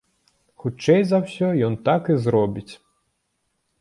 Хутчэй за ўсё, ён так і зробіць.